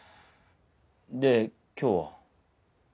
で今日は？